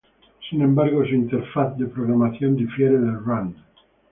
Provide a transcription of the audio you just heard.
Sin embargo, su interfaz de programación difiere del rand.